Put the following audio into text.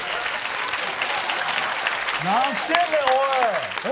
なにしてんねんおい！